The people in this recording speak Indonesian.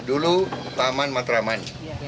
dulu taman matraman